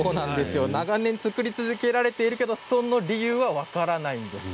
長年作り続けられているけれどもその理由は分からないんです。